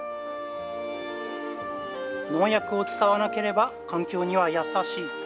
農薬を使わなければ環境にはやさしい。